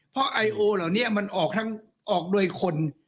เพราะไอโอเหล่านี้มันออกทั้งออกโดยคน